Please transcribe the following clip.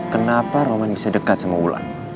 kenapa roman bisa dekat sama wulan